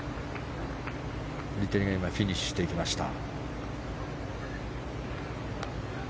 フリテリがフィニッシュしていきました。